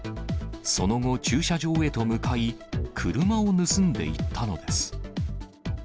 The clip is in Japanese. その後、駐車場へと向かい、車を盗んでいったのです。